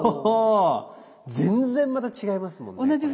お全然また違いますもんね。